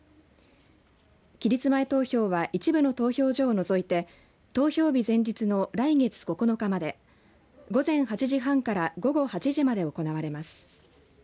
期日前投票は一部の投票所を除いて投票日前日の来月９日まで午前８時半から午後８時まで行われます。